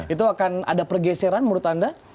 itu akan ada pergeseran menurut anda